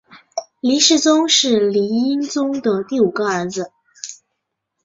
黎世宗是黎英宗的第五个儿子。